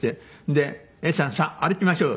で「永さんさあ歩きましょう。